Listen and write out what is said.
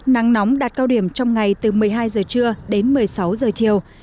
nắng nóng đạt cao điểm trong ngày từ một mươi hai giờ trưa đến một mươi sáu giờ chiều